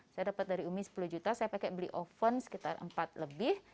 saya dapat dari umi sepuluh juta saya pakai beli oven sekitar empat lebih